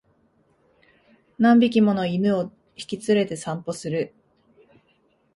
何匹もの犬を引き連れて散歩する